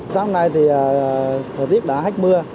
sáng hôm nay thì thời tiết đã hách mưa